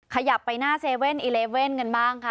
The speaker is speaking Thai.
ขยับไปหน้า๗๑๑กันบ้างค่ะ